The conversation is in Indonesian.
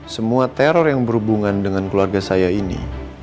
semua teror yang berhubungan dengan keluarga saya ini